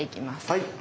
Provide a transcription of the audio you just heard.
はい。